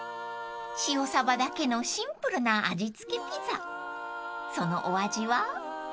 ［塩サバだけのシンプルな味付けピザそのお味は？］